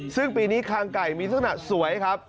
ซึ่งปีนี้คางไก่มีลักษณะสวยครับ